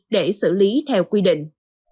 để xử lý theo quy định